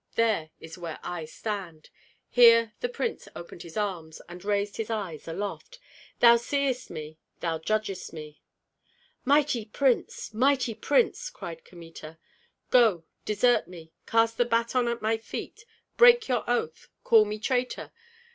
There is where I stand!" Here the prince opened his arms, and raised his eyes aloft: "Thou seest me, thou judgest me!" "Mighty prince, mighty prince!" cried Kmita. "Go, desert me, cast the baton at my feet, break your oath, call me traitor!